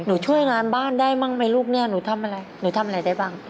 ช่วยงานบ้านได้บ้างไหมลูกเนี่ยหนูทำอะไรหนูทำอะไรได้บ้าง